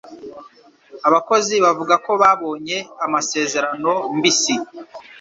Abakozi bavuga ko babonye amasezerano mbisi.